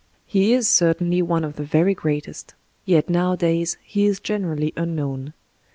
He is certainly one of the very greatest. Yet nowadays he is generally unknown.